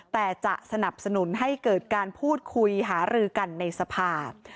แต่จะสนับสนุนให้เกิดการพูดคุยหารือกันในสภา